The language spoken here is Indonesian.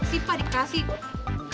kasian pak kan resek sih